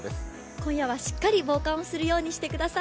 今夜はしっかり防寒をするようにしてください。